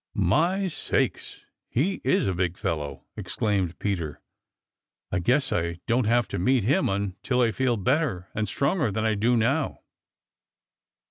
"My sakes, he is a big fellow!" exclaimed Peter. "I guess I don't want to meet him until I feel better and stronger than I do now."